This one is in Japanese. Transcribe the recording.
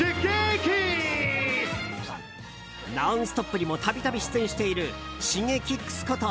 「ノンストップ！」にも度々、出演しているＳｈｉｇｅｋｉｘこと